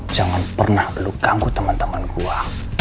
jangan pernah lu ganggu teman teman gua